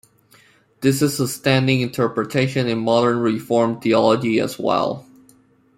This is the standing interpretation in modern Reformed theology as well.